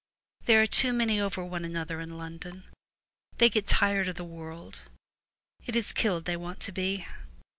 'There are too many over one another in London. They are getting tired of the world. It is killed they want to be.